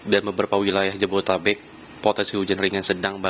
dan beberapa wilayah jebota bek potensi hujan ringan sedang